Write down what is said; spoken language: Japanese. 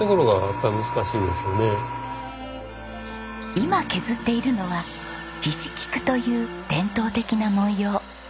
今削っているのは菱菊という伝統的な文様。